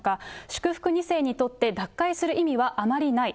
祝福２世にとって、脱会する意味はあまりない。